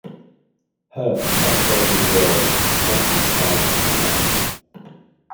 Hurt by Fez's words, Jackie decides to move out.